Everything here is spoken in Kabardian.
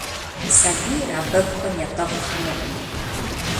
Сабийр а бэгухэм етӏэхъу хъунукъым.